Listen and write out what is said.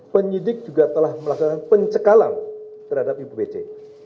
penyidik juga telah melakukan pencekalan terhadap ibu pece